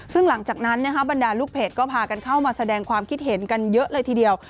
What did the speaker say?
ซึ่งหลังจากนั้นบรรดาลูกเพจก็พากันเข้ามาแสดงความคิดเห็นกันเยอะเลยทีเดียว